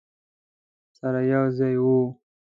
سره یو ځای وو.